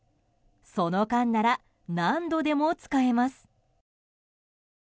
その間なら何度でも使えます。